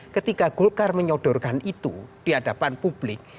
ketika golkar menyodorkan itu di hadapan publik